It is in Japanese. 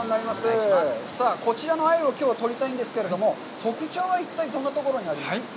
さあ、こちらのアユを、きょうは取りたいんですけれども、特徴は一体どんなところにありますか。